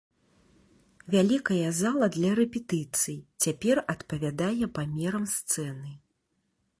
Вялікая зала для рэпетыцый, цяпер адпавядае памерам сцэны.